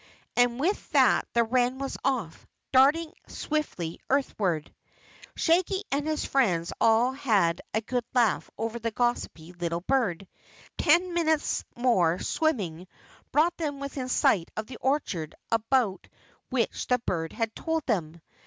And with that the wren was off, darting swiftly earthward. Shaggy and his friends all had a good laugh over the gossipy little bird. Ten minutes more "swimming" brought them within sight of the orchard about which the bird had told them.